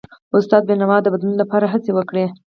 استاد بینوا د بدلون لپاره هڅې وکړي.